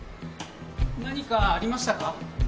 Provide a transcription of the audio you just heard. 何かありましたか？